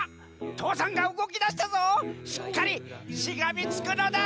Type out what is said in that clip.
父山がうごきだしたぞしっかりしがみつくのだ！